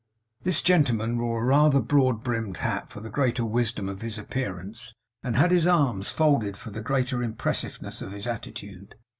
This gentleman wore a rather broad brimmed hat for the greater wisdom of his appearance; and had his arms folded for the greater impressiveness of his attitude.